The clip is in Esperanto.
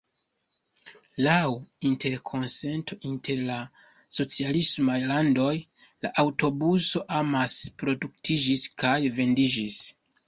Laŭ interkonsento inter la socialismaj landoj, la aŭtobuso amase produktiĝis kaj vendiĝis.